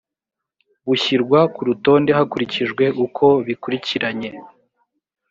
bushyirwa ku rutonde hakurikijwe uko bikurikiranye